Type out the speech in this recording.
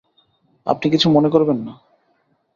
আপনি কিছু মনে করবেন না।